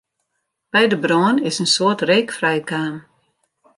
By de brân is in soad reek frijkaam.